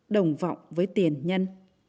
đồng vọng với tiền nhân